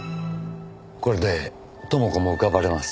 これで知子も浮かばれます。